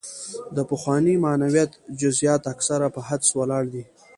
د پخواني معنویت جزیات اکثره په حدس ولاړ دي.